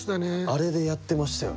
あれでやってましたよ。